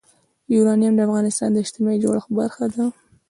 یورانیم د افغانستان د اجتماعي جوړښت برخه ده.